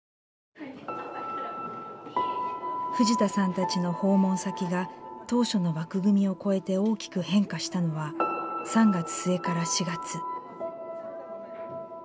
藤田さんたちの訪問先が当初の枠組みを超えて大きく変化したのは３月末から４月。